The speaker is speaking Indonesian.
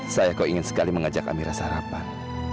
saya kau ingin sekali mengajak amira sarapan